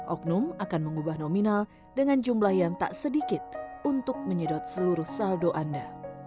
oknum akan mengubah nominal dengan jumlah yang tak sedikit untuk menyedot seluruh saldo anda